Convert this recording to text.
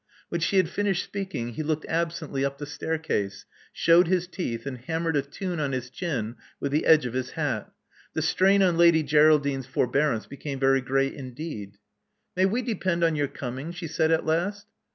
When she had finished speak ing, he looked absently up the staircase ; shewed his teeth ; and hammered a tune on his chin with the edge of his hat The strain on Lady Geraldine's for bearance became very great indeed. May we depend on your coming?" she said at last.